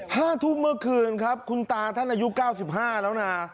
ห้าทุบเมื่อคืนครับคุณตาท่านอายุ๙๕แล้วนะ